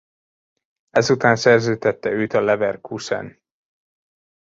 Ezután szerződtette őt a Leverkusen.